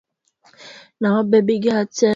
fundi wa mitambo ni enamuel elyzar